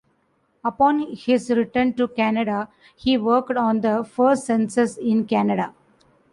Upon his return to Canada he worked on the first census in Canada.